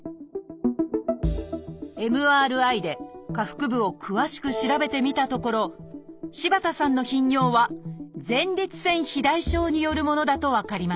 ＭＲＩで下腹部を詳しく調べてみたところ柴田さんの頻尿は「前立腺肥大症」によるものだと分かりました。